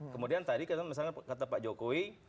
kemudian tadi misalnya kata pak jokowi